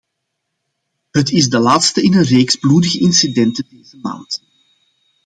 Het is de laatste in een reeks bloedige incidenten deze maand.